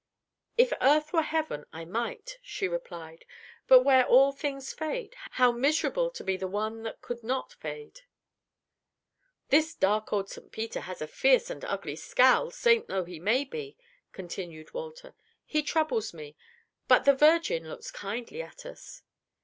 "If earth were heaven, I might," she replied. "But where all things fade, how miserable to be the one that could not fade!" "This dark old St. Peter has a fierce and ugly scowl, saint though he be," continued Walter. "He troubles me. But the virgin looks kindly at us."